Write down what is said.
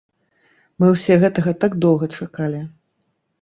Мы ўсе гэтага так доўга чакалі!